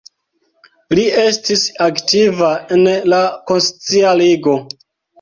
Li estis aktiva en la Konscia Ligo.